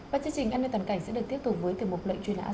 và chương trình an ninh toàn cảnh sẽ được tiếp tục với tiểu mục lệnh truy nã